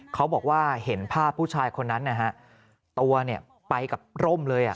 เขาบอกว่าเห็นภาพผู้ชายคนนั้นนะฮะตัวเนี่ยไปกับร่มเลย